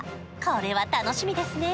これは楽しみですね